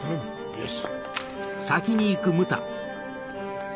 よし！